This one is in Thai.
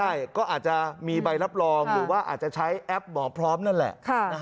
ใช่ก็อาจจะมีใบรับรองหรือว่าอาจจะใช้แอปหมอพร้อมนั่นแหละ